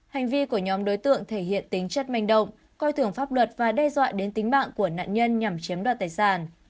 hành vi của nhóm đối tượng thể hiện tính chất manh động coi thường pháp luật và đe dọa đến tính mạng của nạn nhân nhằm chiếm đoạt tài sản